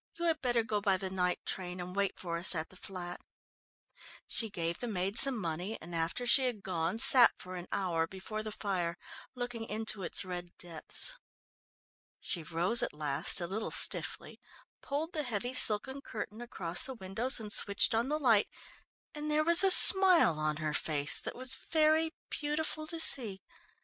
You had better go by the night train and wait for us at the flat." She gave the maid some money and after she had gone, sat for an hour before the fire looking into its red depths. She rose at last a little stiffly, pulled the heavy silken curtain across the windows and switched on the light, and there was a smile on her face that was very beautiful to see.